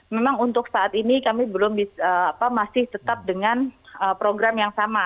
memang untuk saat ini kami masih tetap dengan program yang sama